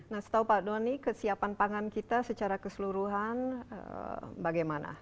nah setahu pak doni kesiapan pangan kita secara keseluruhan bagaimana